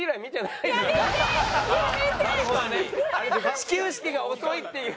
始球式が遅いっていう。